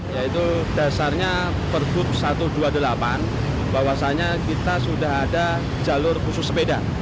yaitu dasarnya pergub satu ratus dua puluh delapan bahwasannya kita sudah ada jalur khusus sepeda